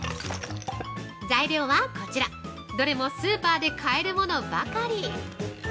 ◆材料はこちらどれもスーパーで買えるものばかり。